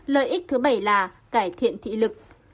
lợi ích thứ bảy là cải thiện thị lực